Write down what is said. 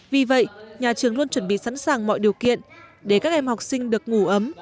vì vậy nhà trường luôn chuẩn bị sẵn sàng mọi điều kiện để các em học sinh được ngủ ấm